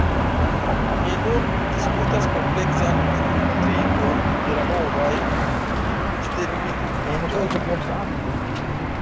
Ni nun diskutas kompleksan intrigon de la novaj stelmilitoj